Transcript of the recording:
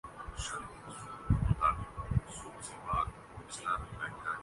وہ G T road مارچ کے حق میں نہ تھے۔